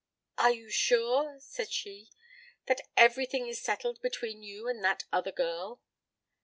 "Are you sure," said she, "that everything is settled between you and that other girl?"